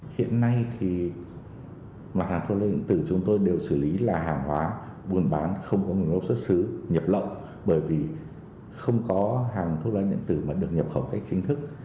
hiện nay thì mặt hàng thuốc lá điện tử chúng tôi đều xử lý là hàng hóa buôn bán không có nguồn gốc xuất xứ nhập lậu bởi vì không có hàng thuốc lá điện tử mà được nhập khẩu cách chính thức